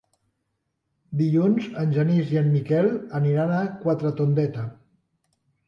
Dilluns en Genís i en Miquel aniran a Quatretondeta.